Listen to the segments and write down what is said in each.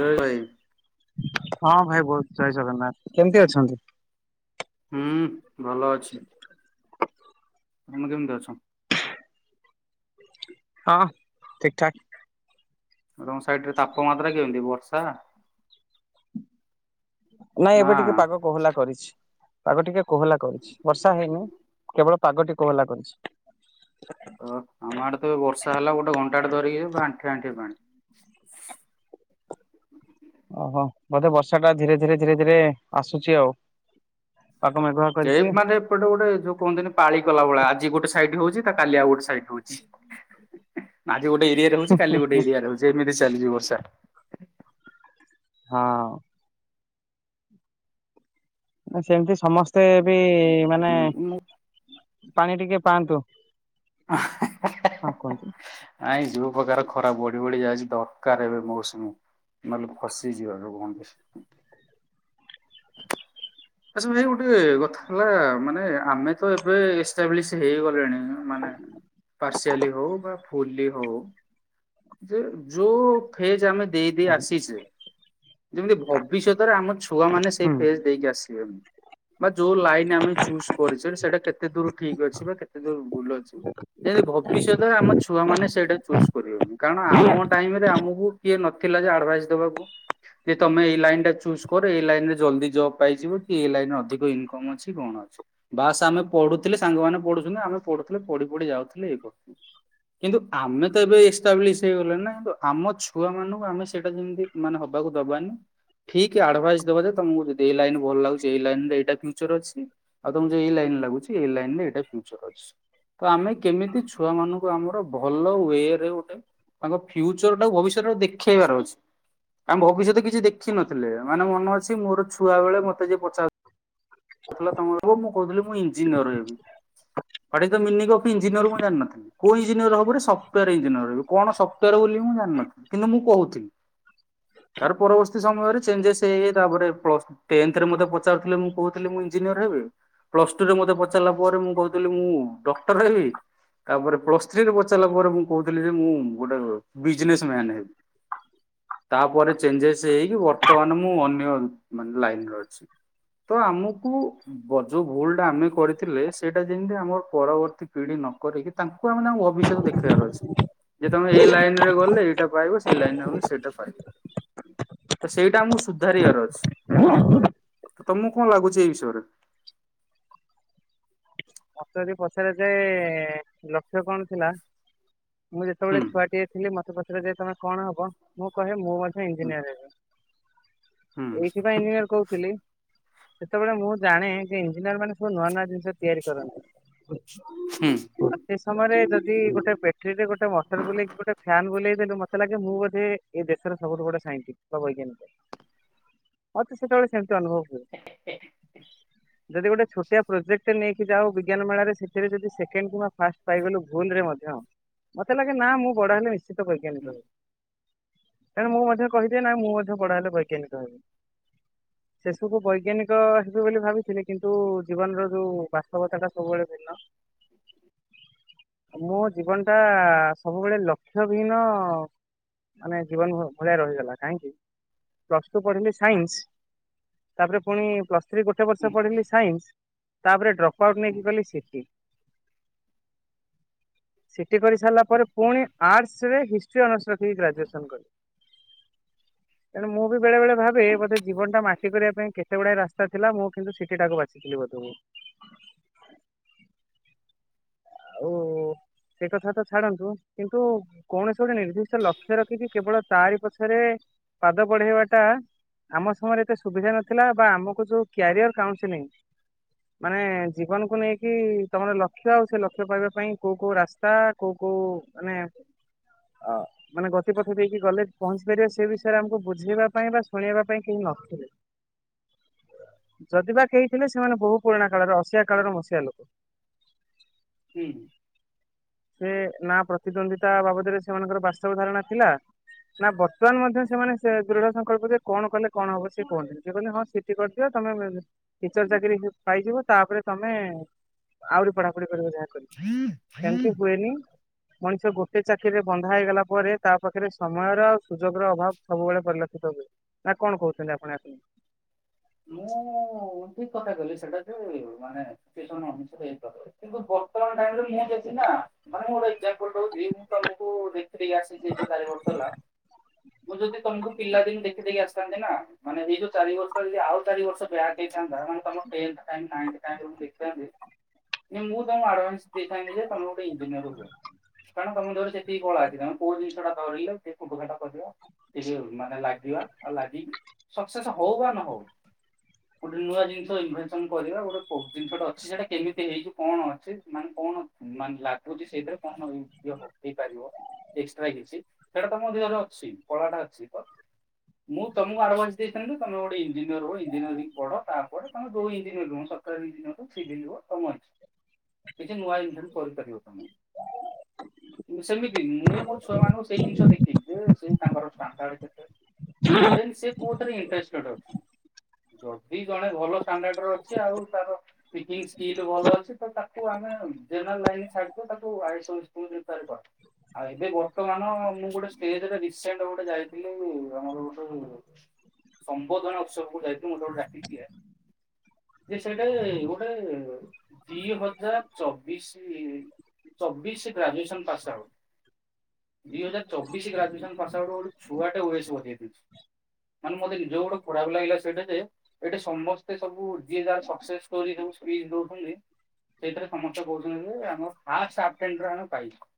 ଜୟ ଭାଇ। ହଁ, ଭାଇ ବହୁତ୍ ଜୟ ଜଗନ୍ନାଥ। କେମିତି ଅଛନ୍ତି? ହୁଁ, ଭଲ ଅଛି। ତମେ କେମିତି ଅଛ? ହଁ, ଠିକ୍ ଠାକ୍। ତମ ସାଇଟ୍ ରେ ତାପମାତ୍ରା କେମିତି? ବର୍ଷା ନାଇଁ ନା ଏବେ ଟିକେ ପାଗ କୋହଲା କରିଛି। ପାଗ ଟିକେ କୋହଲା କରିଛି। ବର୍ଷା ହେଇନି, କେବଳ ପାଗଟି କୋହଲା କରିଛି। ଆ-ଆମ ଆଡେ ତ ବର୍ଷା ହେଲା ଗୋଟେ ଘଣ୍ଟାଟେ ଧରିକି। ପା ଆଣ୍ଠିଏ ଆଣ୍ଠିଏ ପାଣି। ଓହୋ! ବୋଧେ ବର୍ଷା ଟା ଧୀରେ ଧୀରେ ଧୀରେ ଧୀରେ ଆସୁଛି ଆଉ। ତାପ ମେଘ ଏ ମାନେ ଏପଟେ ଗୋଟେ ଯୋ କହନ୍ତିି ନି ପାଳି କଲା ଭଳା। ଆଜି ଗୋଟେ ସାଇଡ୍ ହଉଛି, ତ କାଲି ଆଉ ଗୋଟେ ସାଇଡ୍ ହଉଛି। ଆଜି ଗୋଟେ ଏରିଆରେ ହଉଛି, କାଲି ଗୋଟେ ଏରିଆରେ ହଉଛି। ଏମିତି ଚାଲିଛି ବର୍ଷା। ହଁ। ନା ସେମିତି ସମସ୍ତେ ବି-ଇ ମାନେ ମୁଁ ପାଣି ଟିକେ ପାଆନ୍ତୁ। ଆହଁ ହଁ କୁହନ୍ତୁ? ନାଇଁ ଯୋଉ ପ୍ରକାର ଖରା ବଢି ବଢି ଯାଇଛି, ଦରକାର ଏବେ ମୌସୁମୀ। ନଅଲେ ଖସିଯିବର [unintelligible] ଆଛା ଭାଇ ଗୁଟିଏ କଥା ହେଲା ମାନେ, ଆମେ ତ ଏବେ ଏଷ୍ଟାବ୍ଲିଶ୍ ହେଇଗଲେଣି। ମାନେ ପାର୍ସିଆଲି ହଉ ବା ଫୁଲ୍ଲି ହଉ। ଯେ ଯୋଉ ଫେଜ୍ ଆମେ ଦେଇ ଦେଇ ଆଜ୍ଞା ଆସିଛେ, ଯେମତି ଭବିଷ୍ୟତରେ ଆମ ଛୁ ପୁଅ ମାନେ ସେଇ ହୁଁ। ଫେଜ୍ ଦେଇକି ଆସିବେନି। ବା ଯୋଉ ଲାଇନ ଆମେ ଚୁଜ୍ କରିଛେ, ସେଇଟା କେତେ ଦୂର ଠିକ୍ ଅଛି ବା କେତେ ଦୂର ଭୁଲ୍ ଅଛି? ଯେମିତି ଭବିଷ୍ୟତରେ ଆମ ଛୁଆ ମାନେ ସେଇଟା ଚୁଜ୍ କରିବେନି। କାରଣ ଆମ ଟାଇମ ରେ ଆମକୁ କିଏ ନଥିଲା ଯେ ଆଡଭାଇସ୍ ଦେବାକୁ ଯେ ତମେ ଏଇ ଲାଇନ୍ ଟା ଚୁଜ୍ କର ଏଇ ଲାଇନ ରେ ଜଲ୍ଦି ଜବ୍ ପାଇଯିବ କି ଏଇ ଲାଇନ ରେ ଅଧିକ ଇନକମ୍ ଅଛି, କଣ ଅଛି। ବାସ୍ ଆମେ ପଢୁଥିଲେ ସାଙ୍ଗମାନେ ପଢୁଛନ୍ତି ଆମେ ପଢୁଥିଲେ ପଢି ପଢି ଯାଉଥିଲେ ଏଇ [unintelligible] କିନ୍ତୁ ଆମେ ତ ଏବେ ହେଇ ଗଲେ ନା କିନ୍ତୁ ଆମ ଛୁଆ ମାନଙ୍କୁ ଆମେ ସେଇଟା ଯେମିତି ମାନେ ହବାକୁ ଦବାନି ଠିକ୍ ଆଡଭାଇସ୍ ଦେବା ଯେ ତମକୁି ଏଇ ଲାଇନ୍ ଭଲ ଲାଗୁଛି ଏଇ ଲାଇନ ଏଇଟା ଫ୍ୟୁଚର ଅଛି। ଆଉ ତମକୁ ଯଦି ଏଇ ଲାଇନରେ ଲାଗୁଚି ଏଇ ଲାଇନରେ ଏଇଟା ଫ୍ୟୁଚର ଅଛି। ତ ଆମେ କେମିତି ଛୁଆ ମାନଙ୍କୁ ଆମର ଭଲ ୱେରେ ତାଙ୍କ ଫ୍ୟୁଚର ଟାକୁ ଭବିଷ୍ୟତର ଦେଖେଇବାର ଅଛି। ଆମ ଭବିଷ୍ୟତ କିଛି ଦେଖିନଥିଲେ ମାନେ ମନ ଅଛି। ମୋର ଛୁଆ ବେଳେ ମତେ ଯେ ପଚାର୍ ଥିଲା ତମର ବୋଉ ମୁଁ କହୁଥିଲି ମୁଁ ଇଞ୍ଜିନିୟର ହେବି। What is the meaning of engineer ମୁଁ ଜାଣିନଥିଲି ‌କୋଉ ଇଞ୍ଜିନିୟର ହବ ବୋଲି ସଫ୍ଟୱାୟାର ଇଞ୍ଜିନିୟର। କଣ ସପଟୱାର ବୋଲି ମୁଁ ଜାଣିନଥିଲି କିନ୍ତୁ ମୁଁ କହୁଥିଲି ତାର ପରବର୍ତ୍ତୀ ସମୟରେ ଚେଞ୍ଜେସ୍ ହେଇ ହେଇ ତାପରେ ପ୍ଲସ୍ ଟେନ୍ଥରେ ମୋତେ ପଚାରୁଥିଲେ ମୁଁ କହୁଥିଲି ମୁଁ ଇଞ୍ଜିନିୟର ହେବି ପ୍ଲସ ଟୁରେ ମତେ ପଚାରିଲା ପରେ ମୁଁ କହୁଥିଲି ମୁଁ ଡକ୍ଟର ହେବି ତାପରେ ପ୍ଲସ ଥ୍ରୀରେ ପଚାରିଲା ପରେ ମୁଁ କହୁଥିଲି ଯେ ମୁଁ ଗୋଟେ ବିଜିନେସ୍ ମ୍ୟାନ୍ ହେବି। ତାପରେ ଚେଞ୍ଜେସ ହେଇକି ବର୍ତ୍ତମାନ ମୁଁ ଅନ୍ୟ ମାନେ ଲାଇନରେ ଅଛି। ତ ଆମକୁ ବ ଯୁ ଭୁଲ ଟା ଆମେ କରିଥିଲେ ସେଇଟା ଯେମିତି ଆମର ପରବର୍ତ୍ତୀ ପିଢି ନ କରିକି ତାଙ୍କୁ ଆମେ ତାଙ୍କୁ ଭବିଷ୍ୟତ ଦେଖେଇବାର ଅଛି ଯେତେବେଳେ ଏଇ ଲାଇନ ରେ ଗଲେ ଏଇଟା ପାଇବ ସେଇ ଲାଇନରେ ହବନି ସେଇଟା ପାଇ ତ ସେଇଟା ଆମକୁ ସୁଧାରିବାର ଅଛି। ତମକୁ କଣ ଲାଗୁଚି ଏଇ ବିଷୟରେ? ମତେ ଯଦି ପଚରା ଯାଏ ଲକ୍ଷ୍ୟ କଣ ଥିଲା ମୁଁ ଯେତେବେଳେ ହୁଁ ଛୁଆଟିଏ ହେଲେ ମତେ ପଚରା ଯାଏ ତମେ କଣ ହବ ମୁଁ କହେ ମୁଁ ମଧ୍ୟ ହୁଁ ଇଞ୍ଜିନିୟର ହେବି। ହୁଁ ଏଇଥିପାଇଁ ଇଞ୍ଜିନିୟର କହୁଥିଲି ସେତବେଳେ ମୁଁ ଜାଣେ ଯେ ଇଞ୍ଜିନିୟର ମାନେ ସବୁ ନୂଆ ନୂଆ ଜିନିଷ ତିଆରି କରନ୍ତି‌। ହୁଁ ସେ ସମୟରେ ଯଦି ଗୋଟେ ବେଟ୍ରିଟେ ଗୋଟେ ମଟର ବୁଲେଇକି ଗୋଟେ ଫ୍ୟାନ୍ ବୁଲେଇଦେଲୁ ମତେ ଲାଗେ ମୁଁ ବୋଧେ ଏ ଦେଶର ସବୁଠୁ ବଡ଼ ସାଇଟିଷ୍ଟ ବା ବୈଜ୍ଞାନିକ। [inaudible] ମତେ ସେତବେଳେ କେମିତି ଅନୁଭବ ହୁଏ। ଯଦି ଗୋଟେ ଛୋଟିଆ ପ୍ରୋଜେକ୍ଟଟେ ନେଇ କି ଯାହା ହଉ ବିଜ୍ଞାନ ମେଳାରେ ସେଥିରେ ଯଦି ସେକେଣ୍ଡ କିମ୍ବା ଫାଷ୍ଟ ପାଇଗଲୁ ଭୁଲରେ ମଧ୍ୟ ମତେ ଲାଗେ ନା ମୁଁ ବଡ଼ ହେଲେ ନିଶ୍ଚିତ ବୈଜ୍ଞାନିକ ହେବି। କାରଣ ମୁଁ ମଧ୍ୟ କହିଦିଏ ନାଇଁ ମୁଁ ମଧ୍ୟ ବଡ଼ ହେଲେ ବୈଜ୍ଞାନିକ ହେବି। ସେସବୁ ବୈଜ୍ଞାନିକ ହେବି ବୋଲି ଭାବିଥିଲେ କିନ୍ତୁ ଜୀବନର ଯୋଉ ବାସ୍ତ ସତ କଥା ଟା ସବୁବେଳେ ଭିନ୍ନ ମୋ ଜୀବନଟା ସ ମୋ ଭଳିଆ ଲକ୍ଷ୍ୟ ବିହୀନ ମାନେ ଜୀବନ ଭଳିଆ ରହିଗଲା କାହିଁକି? ପ୍ଲସ୍ ଟୁ ପଢିଲି ସାଇନ୍ସ ତାପରେ ପୁଣି ପ୍ଲସ୍ ଗୋଟେ ବର୍ଷ ପଢିଲି ସାଇନ୍ସ ତାପରେ ଡ୍ରପ୍ ଆଉଟ୍ ନେଇକି ଗଲି ସିଟି। ସିଟି କରିସାରିଲା ପରେ ପୁଣି ଆର୍ଟସରେ ହିଷ୍ଟ୍ରି ଅନର୍ସ ରଖିକି ଗ୍ରାଜୁଏସନ୍ କଲି। [inaudible] ତେଣୁ ମୁଁ ବି ବେଳେ ବେଳେ ଭାବେ ମୋତେ ଜୀବନଟା ମାଟି କରିବା ପାଇଁ କେତେ ଗୁଡ଼ାଏ ରାସ୍ତା ଥିଲା ମୁଁ କିନ୍ତୁ ସିଟି ଟାକୁ ବା ଶିଖିଲି [unintelligible] ଆଉ ସେ କଥା ତ ଛାଡ଼ନ୍ତୁ କିନ୍ତୁ କୌଣସି ଗୋଟେ ନିର୍ଦ୍ଦିଷ୍ଟ ଲକ୍ଷ୍ୟ ରଖିକି କେବଳ ତାରି ପଛରେ ପାଦ ବଢ଼େଇବାଟା ଆମ ସମୟରେ ଏତେ ସୁବିଧା ନଥିଲା ବା ଆମକୁ ଯୋଉ କ୍ୟାରିଅର୍ କାଉନ୍ସେଲିଂ ମାନେ ଜୀବନକୁ ନେଇକି ତମର ଲକ୍ଷ୍ୟ ଆଉ ସେ ଲକ୍ଷ୍ୟ ପାଇବା ପାଇଁ କୋଉ କୋଉ ରାସ୍ତା କୋଉ କୋଉ ମାନେ ଅ ମାନେ ଗତି ପଥ ଦେଇକି ଗଲେ ପହଞ୍ଚି ପାରିବା ସେ ବିଷୟରେ ଆମକୁ ବୁଝେଇବା ପାଇଁ ବା ଶୁଣେଇବା ପାଇଁ କେହି ନଥିଲେ। [inaudible] ଯଦି ବା କେହିଥିଲେ ସେମାନେ ବହୁ ପୁରୁଣା କାଳର ଅସିଆ କାଳର ମସିଆ ଲୋକ। ହୁଁ ହୁଁ ସେ ନା ପ୍ରତିଦ୍ୱନ୍ଦ୍ୱିତା ବାବଦରେ ସେମାନଙ୍କର ବାସ୍ତବ ଧାରଣା ଥିଲା। ନା ବର୍ତ୍ତମାନ ମଧ୍ୟ ସେମାନେ ସେ ଦୃଢ଼ ସଂକଳ୍ପ ଯେ କଣ କଲେ କଣ ହବ ସେ କୁହନ୍ତିନି। ସେ କହିଲେ ହଁ [unintelligible] ଏମିତି [inaudible] କରିଦିଅ ତମେ ଟିଚର୍ ଚାକିରି ପାଇଯିବ ତାପରେ ତମେ ଆହୁରି ପଢ଼ା ପଢ଼ି କରିବ ଯାହା କରି। [unintelligible] [inaudible] ବେନି [inaudible] ମଣିଷ ଗୋଟେ ଚାକିରିରେ ବନ୍ଧା ହେଇଗଲା ପରେ ତା ପାଖରେ ସମୟର ଆ ସୁଯୋଗର ଅଭାବ ସବୁବେଳେ ପରିଲକ୍ଷିତ ହୁଏ। ନା କଣ କହୁଛନ୍ତି? ଆପଣ ଆସନ୍ତୁ। ମୁଁ ଠିକ୍ କଥା କହିଲି ସେଟା ଯେ ମାନେ ସେକଥା [unintelligible] କିନ୍ତୁ ବର୍ତମାନ ଟାଇମ୍ ରେ ନିହାତି ଅଛି ନା? ମାନେ ଗୋଟେ ଏଗ୍ଜାମ୍ [unintelligible] ଫୁଲ୍ ଦୋଉଚି [unintelligible] ମୁଁ ତମକୁ ଦେଖିଦେଇ ଆସିଛି ଏଠି ଚାରିବର୍ଷ ହେଲା ମୁଁ ଯଦି ତମକୁ ପିଲା ଦିନୁ ଦେଖିଦେଇକି ଆସିଥାନ୍ତି ନା ମାନେ ଏ ଯୋଉ ଚାରି ବର୍ଷ ଯଦି ଆଉ ଚାରିବର୍ଷ ବ୍ୟାକ୍ ହେଇଥାନ୍ତା [unintelligible] ଯାଆନ୍ତୁ ନାଁ ମୁଁ ତମକୁ ଆଡଭାନ୍ସ ଦେଇଥାନ୍ତି ଯେ ତମେ ଗୋଟେ ଇଞ୍ଜିନିୟର ହୁଅ। କାରଣ ତମ ଦିହରେ ସେତିକି କଳା ଅଛି ତମେ କୋଉ ଜିନିଷଟା ଧରିଲେ। [unintelligible] କରିବା ଇଜି ହବ ମାନେ ଲାଗିବା ଆଉ ଲାଗିକି ସକ୍ସେସ୍ ହଉ ବା ନ ହଉ ଗୋଟେ ନୂଆ [unintelligible] ଜିନିଷ ଇନ୍ ବେସ୍ କେମିତି କରିବା। ଗୋଟେ ଜିନିଷେ ଅଛି ସେଟା କେମିତି ହେଇଚି କଣ ଅଛି ମାନେ କଣ ମାନେ ଲାଗି କୋଉଚି [unintelligible] ସେଇଥିରେ କଣ ଇଏହ [unintelligible] ହେଇପାରିବ। ଏକ୍ସଟ୍ରା କିଛି ସେଟା ତମ ଦେହରେ ଅଛି ପଳାଟା [unintelligible] ଅଛି ତ ମୁଁ ତମକୁ ଆଡ୍ଭାସ ଦେଇଥଲୁ [unintelligible] ତମେ ଗୋଟେ ଇ୍ଜିୟର୍ ହ ଇଜିନ ପଢ଼ ତାପରେ ତମେ ଯୋଉ ଇଞଜିନିୟର ସଫ୍ଟୱେର [unintelligible] ଇଞ୍ନିୟର ସ [unintelligible] ତମ ଅଛି [unintelligible] କିଛି ନୂଆ ଇଂସ ପ [unintelligible] ସୋ ରୁମ୍ [unintelligible] ସେମିତି ମୁଁ ମୋ ଛୁଆ ମାନଙ୍କୁ ସେଇ ଜିନିଷ ଦେଖିବି ଯେ ସେଇ ତାଙ୍କର ଛଆନ୍ତ [unintelligible] ଦେନ୍ ସେ୍ କୋଟରେ ଣ୍ଟଷ୍ଟେଡ [unintelligible] ଅପସନ୍ [inaudible] ଯଦି ଜଣେ ଭଲ ଷ୍ଟାଣ୍ଡାର୍ଡ ର ଅଛି ଆଉ ତାର ସ୍ [unintelligible] ଭଲ ଅଛି ତ ତାକୁ ଆମେ ଛା [unintelligible] ଆଉ ଏବେ ବର୍ତ୍ତମାନ ମୁଁ ଗୋଟେ ଷ୍ଟେଜ୍ରେ ରିସେଣ୍ଟ ଗୋଟେ ଯାଇଥିଲି। ଆମର ଗୋଟେ ସମ୍ବୋଧନା ଉତ୍ସବ କୁ ଯାଇଥିଲି। ମୋ ଗୋଟେ ଡାକିିଆ [unintelligible] ଯେ ସେଇଟା ଗୋଟେ ଦି ହଜାର ଚବିଶ ଚବିଶ ଗ୍ରାଜୁଏସନ ପାସ ଆଉଟୁ ଦୁଇ ହଜାର ଚବିଶ ଗ୍ରାୁଏସନ ପାସ ଆଉଟୁ ଗୋଟ ଛୁଆଟେ ଓଏଶ ବନେଇଦେଇଚି। ମାନେ ମୋ ନିଜକୁ ଖରାପ ଯେ ପୁରା ଲାଗିଲ ସେଠ ଏଠ ସମସ୍ତେ ସବୁ ଯିଏ ଯା ସକ୍ସେୋ କରି ସବୁ ସ୍ପିଚ ଦଉଛନ୍ତି। ସେଥିରେ ସମସ୍ତେ କହୁଛନ୍ତି ଯେ ଆମେ ପାଇଛୁ।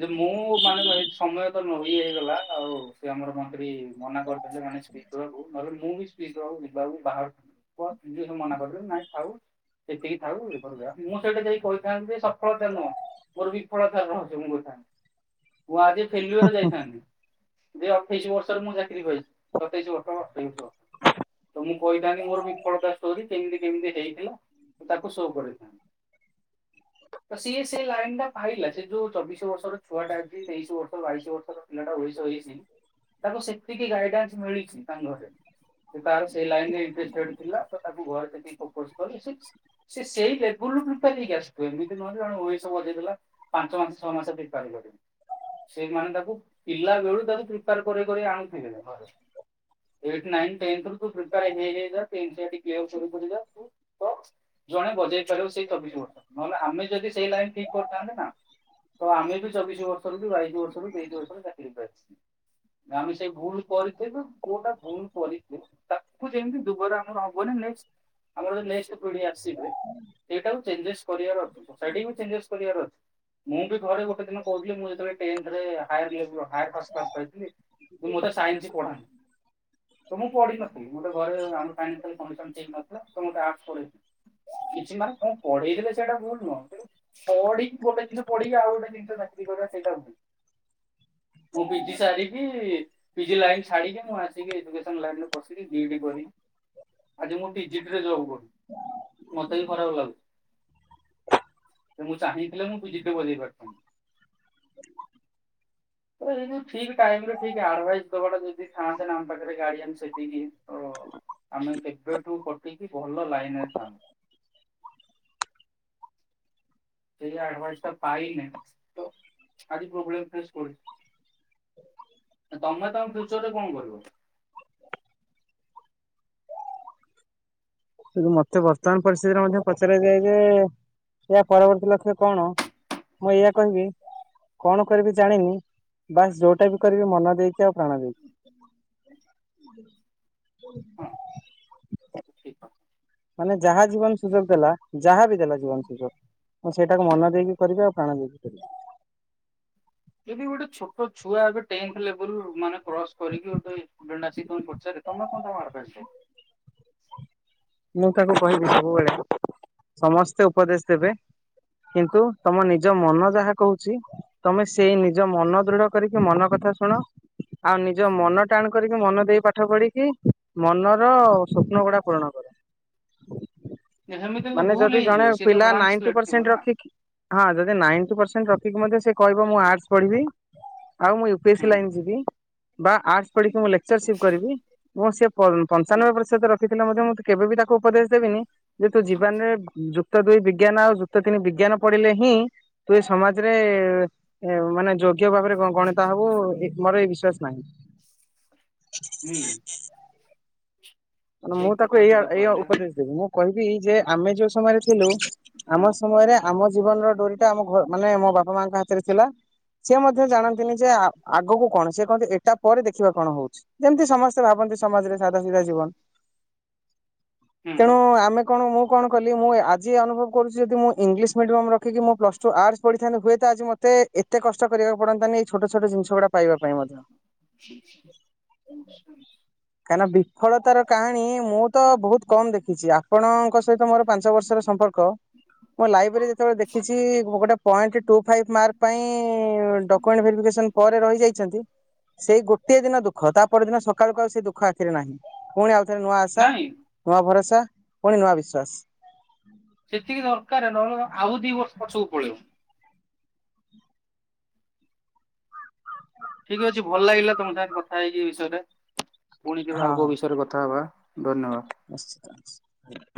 ଯେ ମୁଁ ମାନେ ସମୟତ ନଇ ହେଇଗଲା ଆଉ ସେଆମର ମନ୍ତ୍ରୀ ମନା କରିଥିଲେ ମାନେସେ ସ୍ ହ ନହେଲେ ମୁଁ ବି ସ୍ି ହଉ ଯିବାକୁ ବାହାରକୁ ମନା କରିଦେବି ନାଇଁ ଥାଉ ସେତିକି ଥାଉପ ମୁଁ ସେଇଟା ଯାଇ କହିଥାନ୍ତିଯେ ସଫଳତା ହେଲ ମୋର ବିଫଳତା ରହଚି ମୁ କହିଥାଆନ୍ତି ମୁଁ ଆଜି ଫିଲୁଅର୍ ଯାଇଥାନ୍ତି। ଯେ ଅଠେଇଶ ବର୍ଷରେ ମୁଁ ଚାକିରି ପାଇଚି ସତେଇଶ ବର୍ଷ ଆ ଅଠେଇଶ ବର୍ଷ ତ ମୁଁ କହିଥାନ୍ତି ମୋର ବିଫଳତା ଷ୍ଟୋରି କେମିତି କେମିତି ହେଇଥିଲା ତାକୁ ସୋ କରିଥାଆନ୍ତି। [inaudible] ତ ସିଏ ସେ ଲାଇନଟା ପାଇଲା ସେଯୋଉ ଚବିଶି ବର୍ଷର ଛୁଆଟା ଅଛି ତେଇଶି ବର୍ଷ ବାଇଶି ବର୍ଷର ପିଲାଟା ଓଡ଼ିଶା ହେଇଚି ତାକୁ ସେତିକି ଗାଇଡନ୍ସ ମିଳିଚି ତାଙ୍କଘରେ ସେ ତାର ସେଇ ଲାଇନରେ ଇ୍ନଟେଷ୍ଟେ ଥିଲା ତତାକୁ ଘରେ ସେତିକି ଫୋକସ୍ କଲେ ସେସେଇ ଲେବଲରୁ ପ୍ରିପାର ହେଇି ଆସିଥିବ ଏମିତି ନହେଲେ ଜଣ ଉଣେଇସି ବଜେଇଥିଲା ପାଞ୍ଚ ମାସ ଛଅ ମାସେ ପ୍ରିପାର କରିମି ସେମାନେ ତାକୁ ପିଲା ବେଳୁ ତାକୁ ପ୍ରିପାର କରି କରି ଆଣୁଥିବେ ଘରେ ଏଇଟ୍ ନାଇନ୍ ଟେନ୍ଥେରୁ ପ୍ରିପାର ହେଇ ହେଇକା [unintelligible] ତ ଜଣେ ବଜେଇ ପାରିବ ସେଇ ଚବିଶି ବର୍ଷ ନହେଲେ ଆମେ ଯଦି ସେଇ ଲାଇନ୍ ଠିକ୍ କରିଥାନ୍ତେନା ତ ଆମେବି ଚବିଶି ବର୍ଷରୁ ବାଇଶି ବର୍ଷରୁ ତେଇଶି ବର୍ଷରୁ ଚାକିରି ଆସି ଆମେ ସେଇ ଭୁଲ୍ କରିିଥିବୁ ପୁଅଟା ଭୁଲ କରି ଏଠୁ ଯେମିତି ଦୁବଦା ଆମର ହବନି ନେଷ୍ଟେ ଆମର ଯଉ ନେଷ୍ଟେ ପିଡ଼ି ଆସିବେ ସେଇଟାକୁ ଚେଞ୍ଜେସ୍ କରାର ଅଛି ସୋସାଇଟିକୁବି ଚେଞ୍ଜେସ୍ କରିବାର ଅଛି ମୁଁବି ଘରେ ଗୋଟେ ଦିନ ପ୍ରୋବ୍ଲେମ୍ ହୋଇଥିଲା ମୁଁ ଯେତେବେଳେ ଟେନ୍ଥେର୍ ହାଏ ହାଏ ଫାଷ୍ଟ କ୍ଲାସ୍ ପାଇଥିଲି ମୁତ ସାଇନ୍ସ ପଢ଼ାଏ ତ ମୁଁ ପଢିନଥିଲି ଗୋଟେ ଘରେ ଆମରଣ୍ନ ଠିକ୍ ନଥିଲା ତମୋତେ ଆଢ଼ର୍ସ ପଢ଼େନି। କିଛି ମାନେ କଣ ପଢେଇ ଦେଥିଲେ ସେଇଟା ଭୁଲ୍ ନୁହଁ କିନ୍ତୁ ପଢ଼ିକି ଗୋଟେ ଦିନ ପଢ଼ିକି ଆଉ ଗୋଟେ ଜିନିଷ ଚାକିରି କରିବା ସେଇଟା ଭୁଲ୍ ମୁଁ ପିଜି ସାରିକି ପିଜି ଲାଇନ୍ ଛାଡ଼ିକି ମୁଁ ଆସିକି ଲାଇନିରେ ପସିକି ବିଡ଼ି କରି ଆଜି ମୁଁ ଡିଜିଟିରେ ଜବ୍ କରୁଚି। ମତେବି ଖରାପ୍ ଲାଗୁଚି ମୁଁ ଚାହିଁଥିଲେ ମୁଁ ପିଜିଟ୍ ବଜେଇ ପାରିଥାଆନ୍ତି। ତ ଏଇ ଯଉ ଠିକ୍ ଟାଇମରେ ଠିକ୍ ଆଡ଼ଭାଇସ୍ ଦବାଟା ଯଦି ଥାଆନ୍ତେନା ଆମ ପାଖରେ ଗାଡ଼ିଆନ୍ ସେତିକି ତ ଆମେ କେବେଠୁ କଟିକି ଭଲ ଲାଇନରେ ଥାଆନ୍ତୁ। ସେ ଆଡ଼ଭାସଟା ପାଇନାହିଁ ତ ଆଜି ପ୍ରୋବ୍ଲେମ୍ ଫେସ୍ କରୁଚି। ତମେ ତମ ଫ୍ୟୁଚରରେ କଁ କରିବ? ଏ ମତେ ବର୍ତମାନ ପରିସ୍ଥିିତିରେ ମଧ୍ୟ ପଚରାଯାଏଯେ ଏହା ପରବର୍ତ୍ତୀ ଲକ୍ଷ୍ୟ କଣ ମୁଁ ଏଇଆ କହିବି କଣ କରିବି ଜାଣିନି ବାସ୍ ଯୋଉଟାବି କରିବି ମନ ଦେଇକି ଆଉ ପ୍ରାଣ ଦେଇକି। ହଁ ଠିକ୍ କଥା। ମାନେ ଯାହା ଜୀବନ ସୁଯୋଗ ଦେଲା ଯାହାବି ଦେଲା ଜୀବନ ସୁଯୋଗ ମୁଁ ସେଇଟାକୁ ମନ ଦେଇକି କରିବ ଆଉ ପ୍ରାଣ ଦେଇକି କରିବି। ଏବେ ଗୋଟେ ଛୋଟ ଛୁଆ ଏବେ ଟେନ୍ଥେ ଲେବୁଲୁ ମାନେ କ୍ରସ କରିକି ଗୋଟେ ଷ୍ଟୁଡେଣ୍ଟ୍ ଆସିକି କଁ ପଚାରେ ତମେ କେଣ ଆଡ଼ାଭାସ୍ ଦବ? ମୁଁ ତାକୁ କହିବି ସବୁବେଳେ ସମସ୍ତେ ଉପଦେଶ ଦେବେ କିନ୍ତୁ ତମ ନିଜ ମନ ଯାହା କହୁଚି ତମେ ସେଇ ନିଜ ମନ ଦୃଢ କରିକି ମନ କଥା ଶୁଣ ଆଉ ନିଜ ମନ ଟାଣ କରିକି ମନ ଦେଇ ପାଠ ପଢିକି ମନର ସ୍ୱପ୍ନ ଗୁଡ଼ା ପୂରଣ କର। ସେମିତି ତ ମାନେ ଭୁଲ ଯଦି ଜଣେ ହେଇଯିବ ସିଏ ତ ପିଲା ନାଇଟି ବ୍ଲାଙ୍କସ୍ଲେଟ ଥିବ ପରସେଣ୍ଟ ନା ରଖିକି ହଁ ଯଦି ନାଇଟ୍ ପରସେଣ୍ଟ ରଖିକି ମଧ୍ୟ ସେକହିବ ମୁଁ ଆର୍ଟସ ପଢିବି ଆଉ ମୁଁ ୟୁ ପି ହୁଁ ଏସି ଲାଇନ ଯିବି ବା ଆର୍ଡ ପଢିକି ମୁଁ ଲେ ଲେକ୍ଚର ସିପ କରିବି ମୁଁ ସେ ପ ହୁଁ ପଞ୍ଚାନବେ ପସେତ ରଖିଥିଲେ ମଧ୍ୟ କେବେବି ତା କୁ ଉପଦେଶ ଦେବିନି ଯେ ତୁ ଜୀବନରେ ଯୁ ଯୁକ୍ତ ଦୁଇ ବିଜ୍ଞାନ ଆଉ ଯୁକ୍ତ ତିନି ବିଜ୍ଞାନ ପଢିଲେ ହିଁ ତୁ ଏ ସମାଜରେ ମାନେ ଯୋ ଗ୍ୟ ଭାବରେ ଗ ଗଣିତା ହବ ଏ ମୋର ଏଇ ବିଶ୍ଵାସ ନାହିଁ। ହୁଁ। ସେଇ ମୁଁ ତାକୁ କଥା ଏଇୟା ସେଇଟା ଏଇୟା କହିଲେ ଉପଦେଶ ଦେବି ମୁଁ କହିବି ଯେ ଆମେ ଯୋଉ ସମୟରେ ଥିଲୁ ଆମ ସମୟରେ ଆମ ଜୀବନର ଡୋରି ଟା ଆମ ଘ ମାନେ ମୋ ବାପା ମାଙ୍କ ହାତରେ ଥିଲା। ସିଏ ମଧ୍ୟ ଜାଣନ୍ତିନି ଯେ ଆ ଆଗକୁ କଣ ସିଏ କହନ୍ତି ଏଟା ପରେ ଦେଖିବା କଣ ହଉଛି ଯେମିତି ସମ ସ୍ତେ ଭାବନ୍ତି ସମାଜରେ ସାଧା ସିଧା ଜୀବନ। ତେଣୁ ଆମେ କଣ ମୁଁ କଣ କଲି ମୁଁ ଏ ଆଜି ଅନୁଭବ କରୁଛି ଯଦି ମୁଁ ଇଂଲିଶ ମିଡିୟମ ରଖିକି ମୁଁ ପ୍ଲସ୍ ଟୁ ଆର୍ଟ ପଢିଥାନ୍ତିିୁ ହୁଏତ ଆଜି ମ ତେ ଏତେ କଷ୍ଟ କରିବାକୁ ପଡନ୍ତାନି ଏଇ ଛୋଟ ଛୋଟ ଜିନିଷ ଗୁଡା ପାଇବା ପାଇଁ ମ [unintelligible] କାହିଁକିନା ବିଫଳତାର କାହାଣୀ ମୁଁ ତ ବହୁତ କମ୍ ଦେଖିଛି ଆ ପଣଙ୍କ ସହିତ ମୋର ପାଞ୍ଚ ବର୍ଷର ସମ୍ପର୍କ ମୁଁ ଲାଇଭରେ ଯେତେବେଳେ ଦେଖିଛି ଗୋ ଗୋଟେ ପଏଣ୍ଟ ଟୁ ଫାଇଭ ମାର୍କ ପାଇଁ ଡକୁମେଣ୍ଟ ଭେରିଫିକେସନ ପରେ ରହିଯାଇଛନ୍ତି ସେଇ ଗୋଟିଏ ଦିନ ଦୁଃଖ ତା ପରଦିନ ସକାଳୁକୁ ଆଉ ସେ ଦୁଃଖ ଆଖିରେ ନାହିଁ। ପୁଣି ଆଉଥରେ ନୂଆ ଆଶା ନାଇଁ ନୂଆ ଭରସା ପୁଣି ନୂଆ ବିଶ୍ଵାସ। ସେତିକି ଦରକାରେ ନହେଲେ ଆଉ ଦି ବର୍ଷ ପଛକୁ ପଳେଇବ। ଠିକ ଅଛି ଭଲ ଲାଗିଲା ତମ ସାଙ୍ଗରେ କଥା ହେଇକି ଏ ବିଷୟରେ ପୁଣି କେବେ ହଁ ଆଉ ହଁ କୋଉ ବିଷୟରେ କଥା ହବା। ଧନ୍ୟବାଦ। [unintelligible]